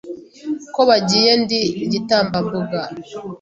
Ko bagiye ndi igitambambuga